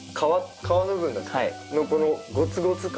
皮部分のこのゴツゴツ感。